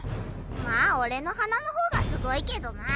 まあ俺の鼻の方がすごいけどな。